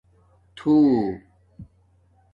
تُھو